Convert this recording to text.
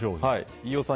飯尾さん